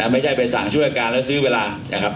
ไม่ใช่ไปสั่งช่วยการแล้วซื้อเวลานะครับ